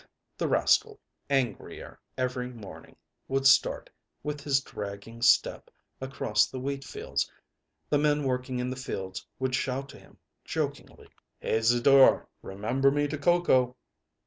The rascal, angrier every morning, would start, with his dragging step, across the wheat fields. The men working in the fields would shout to him, jokingly: âHey, Zidore, remember me to Coco.